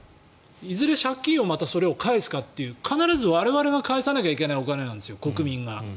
いずれ借金をまたそれを返すか必ず我々が返さなきゃいけないお金なんですよ、国民が。